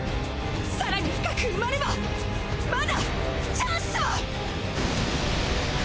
更に深く埋まればまだチャンスは！